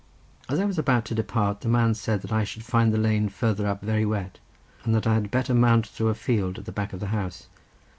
As I was about to depart the man said that I should find the lane farther up very wet, and that I had better mount through a field at the back of the house.